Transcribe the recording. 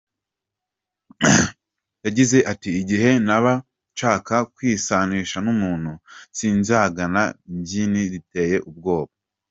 Yagize ati “Igihe naba nshaka kwisanisha n’umuntu, sinzigana ijyini riteye ubwoba.